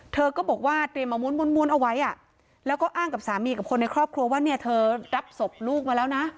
เธอก็บอกว่าเตรียมเอาม้วนเอาไว้แล้วก็อ้างกับสามีกับคนในครอบครัวว่าเนี่ยเธอรับศพลูกมาแล้วนะ